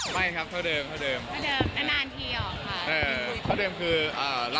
แบบเดิมฮะ